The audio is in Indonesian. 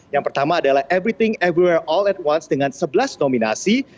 yang pertama adalah everything everywhere all at once dengan sebelas nominasi